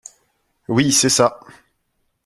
Oui !… c’est ça !…